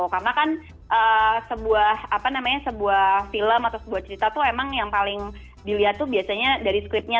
karena kan sebuah apa namanya sebuah film atau sebuah cerita tuh emang yang paling dilihat tuh biasanya dari scriptnya